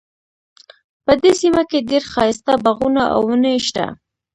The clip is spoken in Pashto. په دې سیمه کې ډیر ښایسته باغونه او ونې شته دي